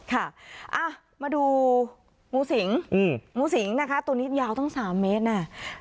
ค่ะมาดูงูสิงงูสิงนะคะตัวนี้ยาวตั้ง๓เมตรน่ะ